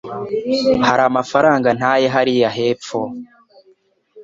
Hari amafaranga ntaye hariya hepfo